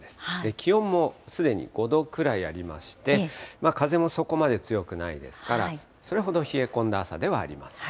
気温もすでに５度くらいありまして、風もそこまで強くないですから、それほど冷え込んだ朝ではありません。